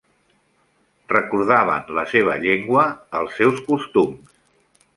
Recordaven la seva llengua, els seus costums.